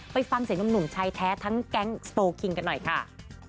ไปฟังเสียงหนุ่มชายแท้ทั้งแก๊งสโตคิงกันหน่อยค่ะ